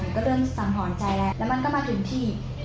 ก็เริ่มสังหรณ์ใจแล้วแล้วมันก็มาถึงที่